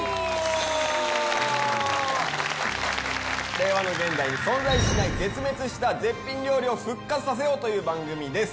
令和の現代に存在しない絶滅した絶品料理を復活させようという番組です